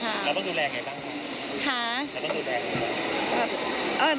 แล้วต้องดูแลไงบ้างค่ะ